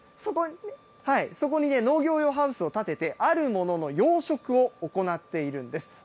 そこに農業用ハウスを建てて、あるものの養殖を行っているんですね。